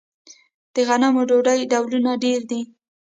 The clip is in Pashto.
د غنمو ډوډۍ ډولونه ډیر دي.